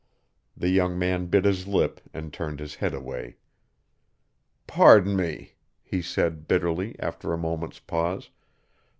The young man bit his lip and turned his head away. "Pardon me," he said bitterly, after a moment's pause.